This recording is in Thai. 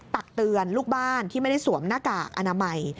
ตักเตือนลูกบ้านที่ไม่ได้สวมหน้ากากอนามัย